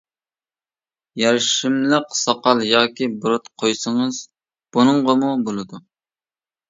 يارىشىملىق ساقال ياكى بۇرۇت قويسىڭىز بۇنىڭغىمۇ بولىدۇ.